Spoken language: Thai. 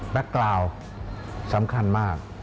แบ็คกราวด์สำคัญมาก